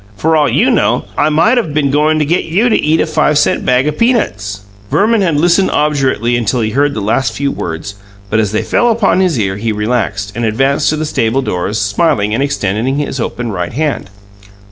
For all you know, I might of been goin' to get you to eat a five cent bag o' peanuts." Verman had listened obdurately until he heard the last few words; but as they fell upon his ear, he relaxed, and advanced to the stable doors, smiling and extending his open right hand.